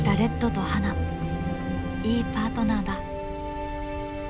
いいパートナーだ。